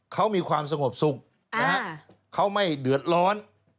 เขามีความสงบสุขนะฮะเขาไม่เดือดร้อน